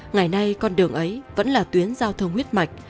ngày nay con đường ấy vẫn là tuyến giao thông huyết mạch